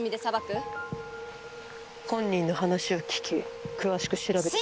本人の話を聞き詳しく調べてから。